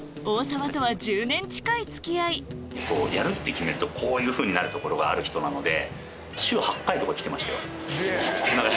やるって決めるとこうなるところがある人なので。